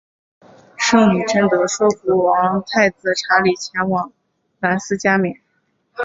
圣女贞德说服王太子查理前往兰斯加冕。